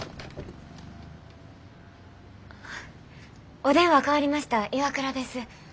お電話代わりました岩倉です。